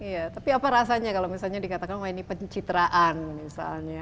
iya tapi apa rasanya kalau misalnya dikatakan wah ini pencitraan misalnya